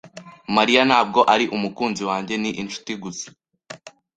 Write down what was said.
Mariya ntabwo ari umukunzi wanjye. Ni inshuti gusa.